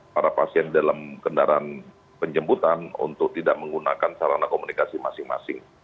para pasien dalam kendaraan penjemputan untuk tidak menggunakan sarana komunikasi masing masing